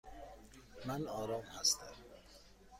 من آرام هستم.